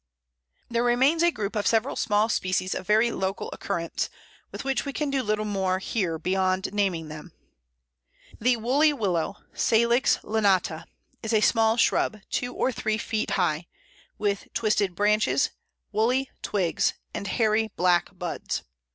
] There remains a group of several small species of very local occurrence, with which we can do little more here beyond naming them. The Woolly Willow (Salix lanata) is a small shrub, two or three feet high, with twisted branches, woolly twigs, and hairy black buds.